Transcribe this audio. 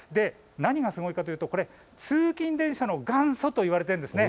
何がすごいかというと通勤電車の元祖といわれているんです。